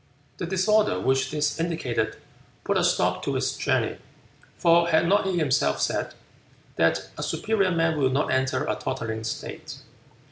The disorder which this indicated put a stop to his journey; for had not he himself said "that a superior man will not enter a tottering state."